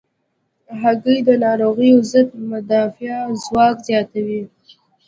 هګۍ د ناروغیو ضد مدافع ځواک زیاتوي.